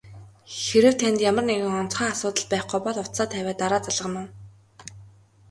Хэрэв танд ямар нэг онцгой асуудал байхгүй бол утсаа тавиад дараа залгана уу?